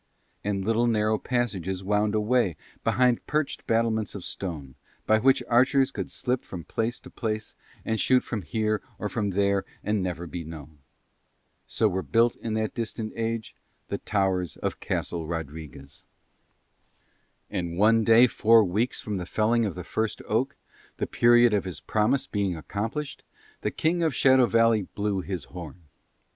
And little narrow passages wound away behind perched battlements of stone, by which archers could slip from place to place, and shoot from here or from there and never be known. So were built in that distant age the towers of Castle Rodriguez. And one day four weeks from the felling of the first oak, the period of his promise being accomplished, the King of Shadow Valley blew his horn.